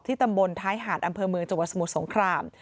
ตำบลท้ายหาดอำเภอเมืองจังหวัดสมุทรสงคราม